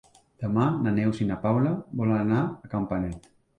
Demà na Neus i na Paula volen anar a Campanet.